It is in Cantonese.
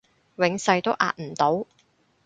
永世都壓唔到